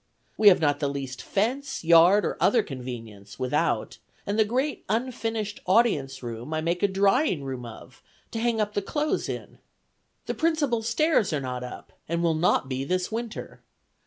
We have not the least fence, yard, or other convenience, without, and the great unfinished audience room I make a drying room of, to hang up the clothes in. The principal stairs are not up, and will not be this winter.